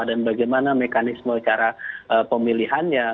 dan bagaimana mekanisme cara pemilihannya